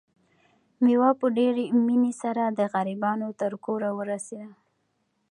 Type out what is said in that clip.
مېوه په ډېرې مینې سره د غریبانو تر کوره ورسېده.